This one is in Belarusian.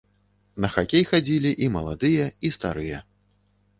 На хакей хадзілі і маладыя, і старыя.